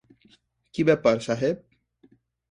কি ব্যাপার, সাহেব?